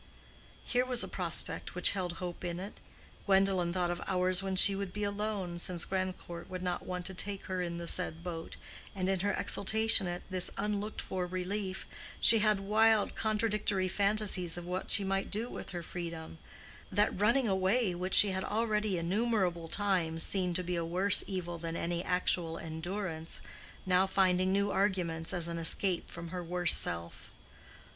Here was a prospect which held hope in it. Gwendolen thought of hours when she would be alone, since Grandcourt would not want to take her in the said boat, and in her exultation at this unlooked for relief, she had wild, contradictory fancies of what she might do with her freedom—that "running away" which she had already innumerable times seen to be a worse evil than any actual endurance, now finding new arguments as an escape from her worse self.